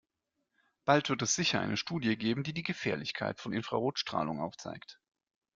Bald wird es sicher eine Studie geben, die die Gefährlichkeit von Infrarotstrahlung aufzeigt.